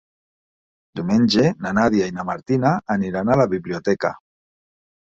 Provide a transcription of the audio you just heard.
Diumenge na Nàdia i na Martina aniran a la biblioteca.